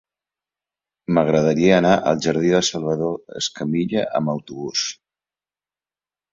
M'agradaria anar al jardí de Salvador Escamilla amb autobús.